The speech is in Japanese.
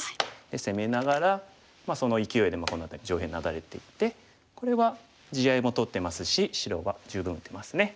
攻めながらそのいきおいでこの辺り上辺ナダれていってこれは地合いも取ってますし白は十分打てますね。